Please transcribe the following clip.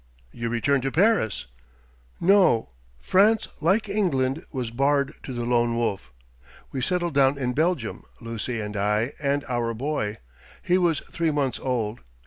"You returned to Paris?" "No: France, like England, was barred to the Lone Wolf.... We settled down in Belgium, Lucy and I and our boy. He was three months old.